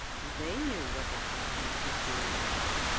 They knew what the company could do.